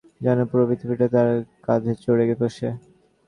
স্কুলে যাওয়ার পথে ফ্লোরেন্স নয়, যেন পুরো পৃথিবীটাই তাঁর কাঁধে চড়ে বসে।